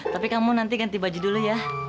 tapi kamu nanti ganti baju dulu ya